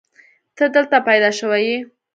ته دلته پيدا شوې يې.